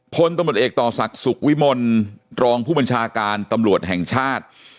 พลตำรวจเอกต่อศักดิ์สุขวิมลรองผู้บัญชาการตำรวจแห่งชาติ